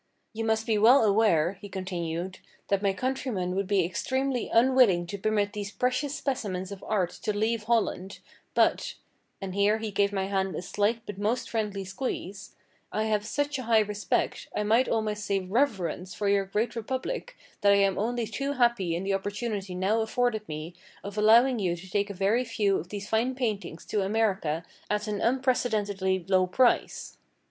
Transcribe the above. "You must be well aware," he continued, "that my countrymen would be extremely unwilling to permit these precious specimens of art to leave Holland, but," and here he gave my hand a slight but most friendly squeeze, "I have such a high respect, I might almost say reverence for your great republic that I am only too happy in the opportunity now afforded me of allowing you to take a very few of these fine paintings to America at an unprecedentedly low price."